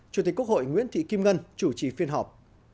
chủ tịch quốc hội nguyễn thị kim ngân chủ trì phiên họp